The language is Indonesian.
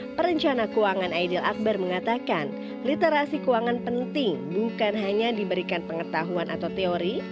perencana keuangan aidil akbar mengatakan literasi keuangan penting bukan hanya diberikan pengetahuan atau teori